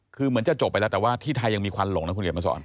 คือเหมือนจะจบไปแล้วแต่ว่าที่ไทยยังมีควันหลงนะคุณเขียนมาสอน